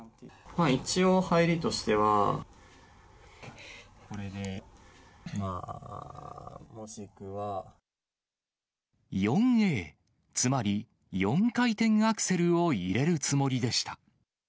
一応入りとしては、これで、４Ａ、つまり４回転アクセルを入れるつもりでした。